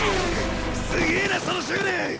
すげぇなその執念！